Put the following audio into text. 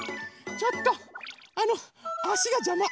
ちょっとあのあしがじゃま。